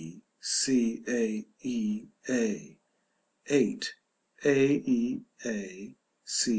b. c. a. e. a.